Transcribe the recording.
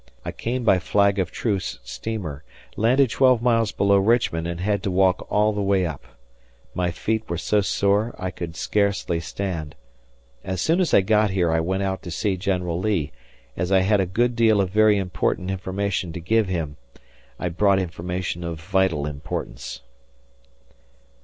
I came by flag of truce steamer, landed twelve miles below Richmond and had to walk all the way up. My feet were so sore I could scarcely stand. As soon as I got here I went out to see General Lee, as I had a good deal of very important information to give him. ... I brought information of vital importance.